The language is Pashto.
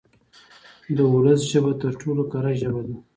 د ولس ژبه تر ټولو کره ژبه ده.